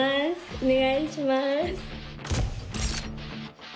お願いします。